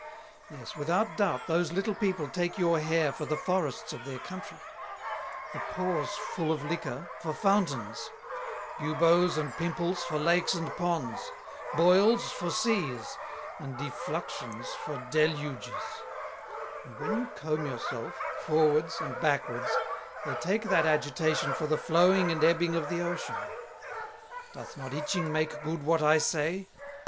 Yes, without doubt, those little People take your Hair for the Forests of their Country; the Pores full of Liquor, for Fountains; Buboes and Pimples, for Lakes and Ponds; Boils, for Seas; and Defluxions, for Deluges: And when you Comb your self, forwards, and backwards, they take that Agitation for the Flowing and Ebbing of the Ocean. Doth not Itching make good what I say?